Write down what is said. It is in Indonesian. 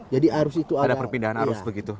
jadi arus itu ada perpindahan arus begitu